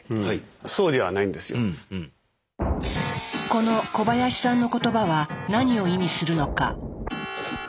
この小林さんの言葉は何を意味するのか？